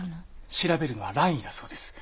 調べるのは蘭医だそうです。